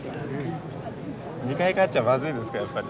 ２回勝っちゃまずいですかやっぱり。